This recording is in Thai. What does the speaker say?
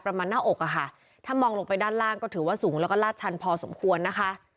หน้าอกอะค่ะถ้ามองลงไปด้านล่างก็ถือว่าสูงแล้วก็ลาดชันพอสมควรนะคะ